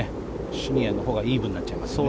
シニアのほうがイーブンになっちゃいますね。